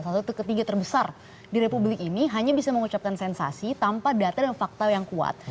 salah satu ketiga terbesar di republik ini hanya bisa mengucapkan sensasi tanpa data dan fakta yang kuat